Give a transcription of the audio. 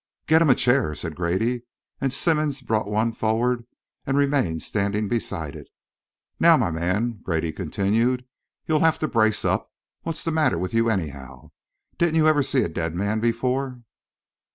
"Get him a chair," said Grady, and Simmonds brought one forward and remained standing beside it. "Now, my man," Grady continued, "you'll have to brace up. What's the matter with you, anyhow? Didn't you ever see a dead man before?"